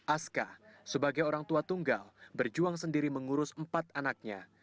aska sebagai orang tua tunggal berjuang sendiri mengurus empat anaknya